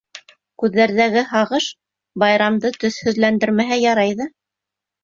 Күҙҙәрҙәге һағыш байрамды төҫһөҙләндермәһә ярай ҙа...